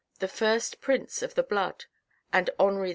The first prince of the blood and Henri IV.